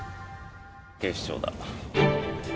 警視庁だ。